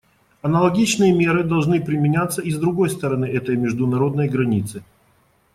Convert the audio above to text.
Аналогичные меры должны применяться и с другой стороны этой международной границы.